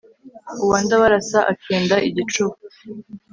uwa ndábarása akenda igicúba